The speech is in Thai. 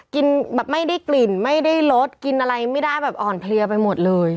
กินแบบไม่ได้กลิ่นไม่ได้รสกินอะไรไม่ได้แบบอ่อนเพลียไปหมดเลย